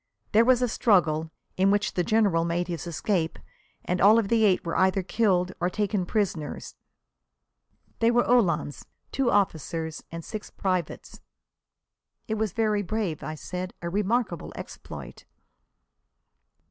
There was a struggle, in which the General made his escape and all of the eight were either killed or taken prisoners. They were uhlans, two officers and six privates." "It was very brave," I said. "A remarkable exploit."